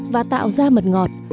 và tạo ra mật ngọt